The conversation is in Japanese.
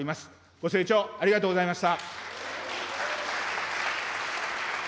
ご清聴、ありがとうございました。